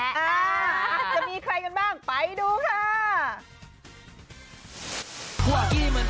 อาจจะมีใครกันบ้างไปดูค่ะ